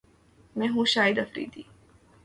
میں ہوں شاہد افریدی